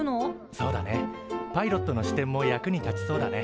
そうだねパイロットの視点も役に立ちそうだね。